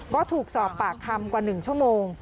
ก็ถูกสอบปากคำกว่า๑ชั่วโมง